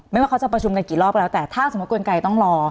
ว่าเขาจะประชุมกันกี่รอบแล้วแต่ถ้าสมมุติกลไกต้องรอ